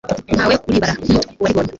ntawe uribara nk'umuto waribonye